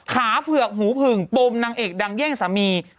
ขาเผื่อกหูผึึ่งปมนังเอกดังเยี่ยงสมีย์